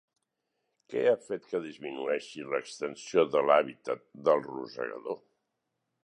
Què ha fet que disminueixi l'extensió de l'hàbitat del rosegador?